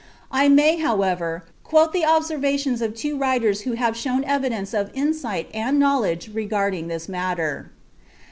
I may, however, quote the observations of two writers who have shown evidence of insight and knowledge regarding this matter.